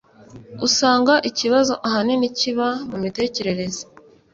Usanga ikibazo ahanini kiba mu mitekerereze